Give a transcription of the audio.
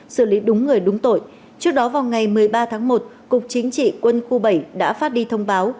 xử lý đúng người đúng tội trước đó vào ngày một mươi ba tháng một cục chính trị quân khu bảy đã phát đi thông báo